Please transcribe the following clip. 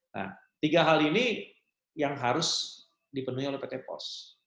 nah tiga hal ini yang harus dipenuhi oleh pt pos